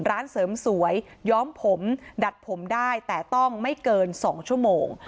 ร้านเสริมสวยย้อมผมดัดผมได้แต่ต้องไม่เกิน๒ชั่วโมง